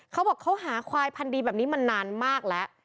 เขาบอกเขาหาควายพันดีแบบนี้มานานมากแล้ว